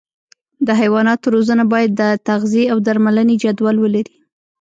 د حیواناتو روزنه باید د تغذیې او درملنې جدول ولري.